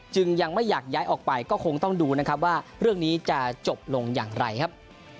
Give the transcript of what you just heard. ยังไม่อยากย้ายออกไปก็คงต้องดูนะครับว่าเรื่องนี้จะจบลงอย่างไรครับ